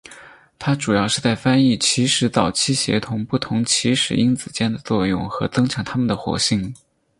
它主要是在翻译起始早期协同不同起始因子间的作用和增强它们的活性。